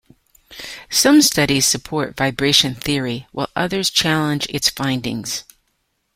Some studies support vibration theory while others challenge its findings.